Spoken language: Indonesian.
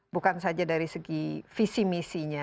bukan saja dari segi visi misinya